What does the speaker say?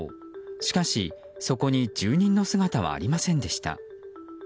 しかし、そこに住人の姿はありませんでした。